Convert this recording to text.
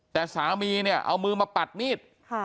แต่สามีเนี่ยเอามือมาปัดมีด